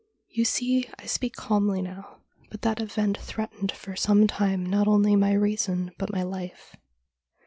' You see I speak calmly now, but that event threatened for some time not only my reason but my life.